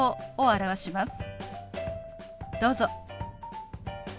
どうぞ。